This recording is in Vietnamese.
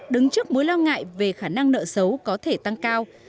đứng trước mối lo ngại về khả năng nợ xấu có thể tăng cao